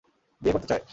বিয়ে করতে চায়!